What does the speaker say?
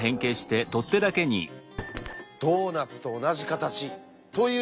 ドーナツと同じ形というわけです。